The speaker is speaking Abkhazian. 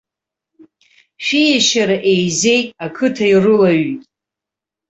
Шәиешьара еизеит, ақыҭа ирылаҩҩит.